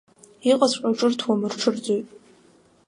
Иҟаҵәҟьоу ҿырҭуам, рҽырӡоит.